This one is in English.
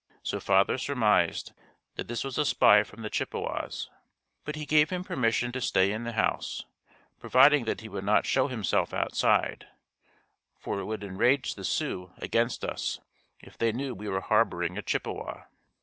So father surmised that this was a spy from the Chippewas. But he gave him permission to stay in the house, providing that he would not show himself outside, for it would enrage the Sioux against us if they knew we were harboring a Chippewa.